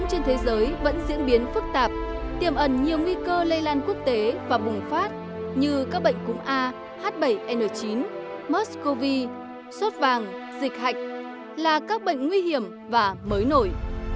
trên thế giới vẫn diễn biến phức tạp tiềm ẩn nhiều nguy cơ lây lan quốc tế và bùng phát như các bệnh cúm a h bảy n chín mers cov vàng dịch hạch là các bệnh nguy hiểm và mới nổi